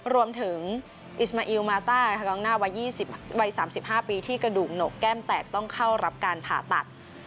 รวมถึงอิสมาอิลมาต้ากองหน้าวัย๓๕ปีที่กระดูกหนกแก้มแตกต้องเข้ารับการผ่าตัด